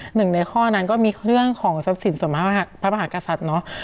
หนึ่งในข้อนั้นก็มีเรื่องของทรัพย์สินส่วนมากพระมหากษัตริย์เนาะ